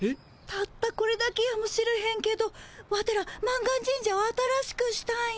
たったこれだけやもしれへんけどワテら満願神社を新しくしたんよ。